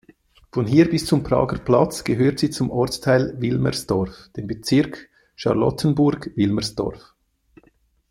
Von hier bis zum Prager Platz gehört sie zum Ortsteil Wilmersdorf des Bezirks Charlottenburg-Wilmersdorf.